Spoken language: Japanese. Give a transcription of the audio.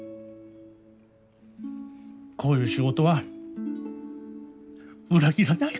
こういう仕事は裏切らないから。